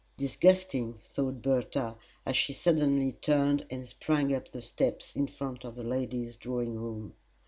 "Disgusting!" thought Bertha, as she suddenly turned and sprang up the steps in front of the ladies' drawing room.